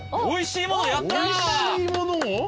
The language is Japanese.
おいしいものを？